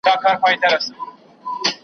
په پردي څټ کي سل سوکه څه دي